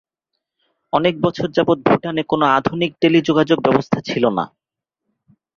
অনেক বছর যাবৎ ভুটানে কোন আধুনিক টেলিযোগাযোগ ব্যবস্থা ছিল না।